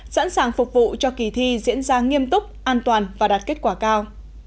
sẵn sàng phục vụ cho kỳ thi diễn ra nghiêm túc an toàn và đạt kết quả cao